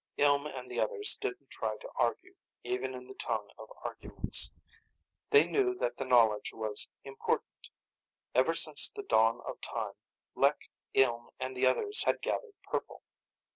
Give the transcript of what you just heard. Ilm and the others didn't try to argue, even in the tongue of arguments. They knew that the knowledge was important. Ever since the dawn of time, Lek, Ilm and the others had gathered purple.